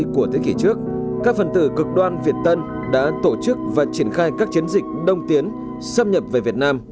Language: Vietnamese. của thế kỷ trước các phần tử cực đoan việt tân đã tổ chức và triển khai các chiến dịch đông tiến xâm nhập về việt nam